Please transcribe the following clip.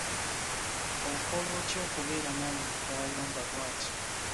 Okola otya okubeera n'omuntu ayomba bwati?